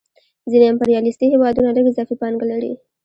ځینې امپریالیستي هېوادونه لږ اضافي پانګه لري